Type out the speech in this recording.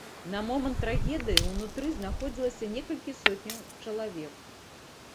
На момант трагедыі ўнутры знаходзілася некалькі сотняў чалавек.